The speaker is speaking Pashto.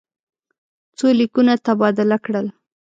څو لیکونه تبادله کړل.